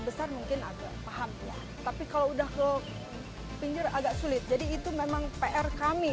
besar mungkin agak paham tapi kalau udah ke pinggir agak sulit jadi itu memang pr kami